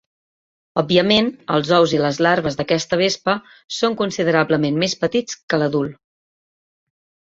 Òbviament, els ous i les larves d'aquesta vespa són considerablement més petits que l'adult.